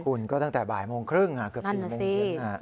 คุณก็ตั้งแต่บ่ายโมงครึ่งเกือบ๔โมงเย็น